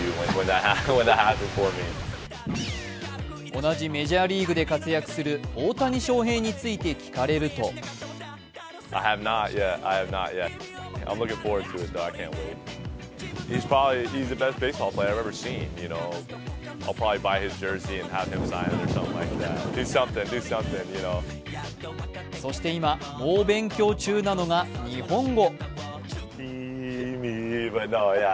同じメジャーリーグで活躍する大谷翔平について聞かれるとそして今、猛勉強中なのが日本語。